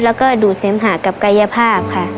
แล้วก็ดูดเสมหากับกายภาพค่ะ